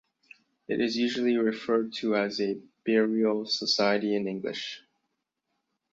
It is usually referred to as a burial society in English.